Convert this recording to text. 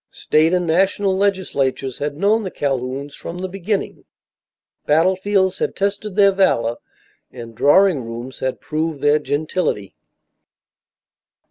State and national legislatures had known the Calhouns from the beginning. Battlefields had tested their valor, and drawing rooms had proved their gentility.